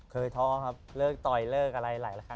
ท้อครับเลิกต่อยเลิกอะไรหลายครั้ง